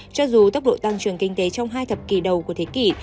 cho dù tốc độ tăng trưởng kinh tế trong hai thập kỷ đầu của thế kỷ